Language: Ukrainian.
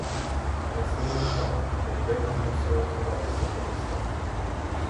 Несли ночами, бо вдень ми мусили ховатися по лісах.